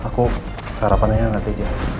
aku sarapannya gak teja